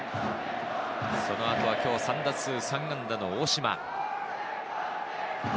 その後は今日３打数３安打の大島。